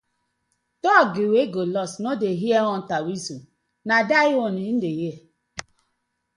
Dog wey go lost no dey hear hunter whistle na die own im dey hear.